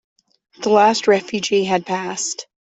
The last refugee had passed.